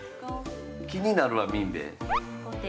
気になるわみんべぇ。